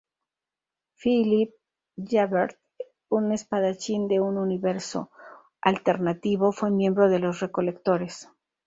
Philip Javert, un espadachín de un universo alternativo, fue miembro de los recolectores.